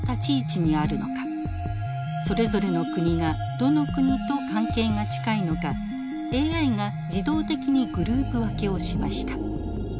それぞれの国がどの国と関係が近いのかＡＩが自動的にグループ分けをしました。